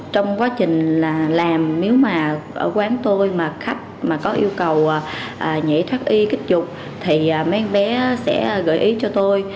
trong quá trình là làm nếu mà ở quán tôi mà khách mà có yêu cầu nhảy thoát y kích chụp thì mấy bé sẽ gợi ý cho tôi